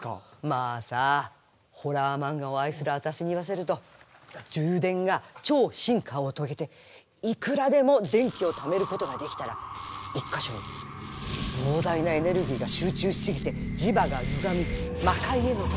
⁉まあさホラー漫画を愛する私に言わせると充電が超進化を遂げていくらでも電気をためることができたら１か所に膨大なエネルギーが集中しすぎて磁場がゆがみ魔界への扉